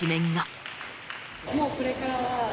もうこれからは。